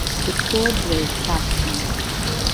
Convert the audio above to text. The poor, brave Captain!